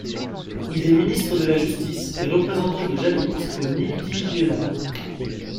Il est ministre de la Justice et représentant de Jaluit au Nitijela.